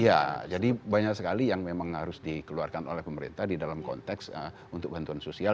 iya jadi banyak sekali yang memang harus dikeluarkan oleh pemerintah di dalam konteks untuk bantuan sosial